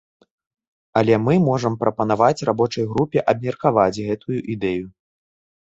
Але мы можам прапанаваць рабочай групе абмеркаваць гэтую ідэю.